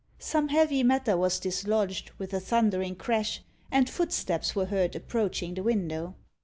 Some heavy matter was dislodged, with a thundering crash, and footsteps were heard approaching the window.